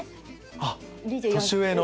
あっ年上の。